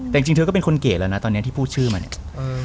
แต่จริงเธอก็เป็นคนเก๋แล้วนะตอนนี้ที่พูดชื่อมาเนี่ย